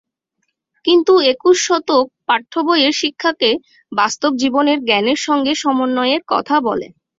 কিন্তু একুশ শতক পাঠ্যবইয়ের শিক্ষাকে বাস্তবজীবনের জ্ঞানের সঙ্গে সমন্বয়ের কথা বলে।